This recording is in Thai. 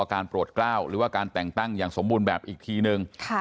การโปรดกล้าวหรือว่าการแต่งตั้งอย่างสมบูรณ์แบบอีกทีนึง